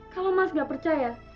kalau mas gak percaya